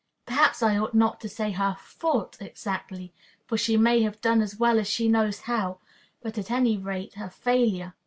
Perhaps I ought not to say her fault exactly, for she may have done as well as she knows how; but, at any rate, her failure.